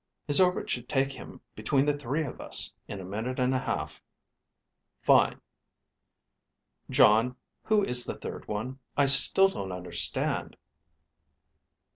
_ His orbit should take him between the three of us in a minute and a half. Fine. _Jon, who is the third one? I still don't understand.